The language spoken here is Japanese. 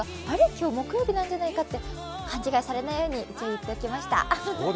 今日は木曜日なんじゃないかと勘違いされないように、一応、言っておきました。